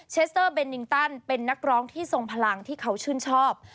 เชสเตอร์เบนนิงตันเป็นนักร้องที่ทรงพลังที่เขาชื่นชอบ